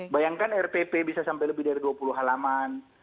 bayangkan rpp bisa sampai lebih dari dua puluh halaman